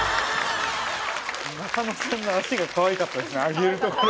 中野さんの足がかわいかったですね